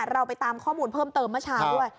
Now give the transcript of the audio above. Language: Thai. เราไปตามข้อมูลเพิ่มเติมเมื่อเช้าด้วย